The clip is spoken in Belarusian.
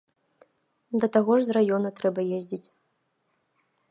Да таго ж з раёна трэба ездзіць.